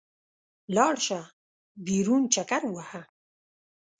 لاړ شه، بېرون چکر ووهه.